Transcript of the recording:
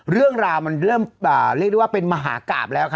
เรื่องราวมันเริ่มเรียกได้ว่าเป็นมหากราบแล้วครับ